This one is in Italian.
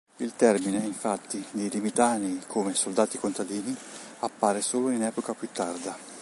Il termine, infatti, di "limitanei" come "soldati-contadini" appare solo in epoca più tarda.